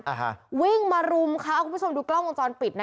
อ่าฮะวิ่งมารุมค่ะเอาคุณผู้ชมดูกล้องวงจรปิดนะ